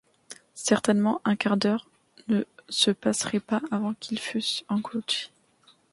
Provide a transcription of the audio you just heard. Certainement, un quart d’heure ne se passerait pas avant qu’ils fussent engloutis…